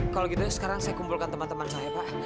kalau gitu sekarang saya kumpulkan teman teman saya pak